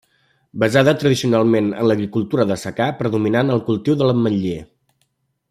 Basada tradicionalment en l'agricultura de secà, predominant el cultiu de l'ametler.